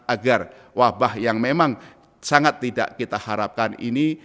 agar wabah yang memang sangat tidak kita harapkan ini